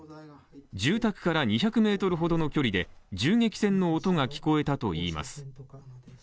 住宅から２００ｍほどの距離で銃撃戦の音が聞こえたといいます。